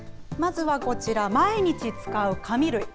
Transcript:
まずはこちら、毎日使う紙類。